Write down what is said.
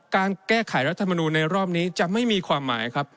การแก้ไขรัฐมนูลในรอบนี้จะไม่มีความหมายครับ